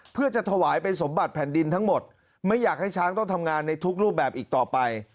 เพื่อจะถวายเป็นสมบัติแผ่นดินทั้งหมดไม่อยากให้ช้างต้องทำงานในทุกรูปแบบอีกต่อไป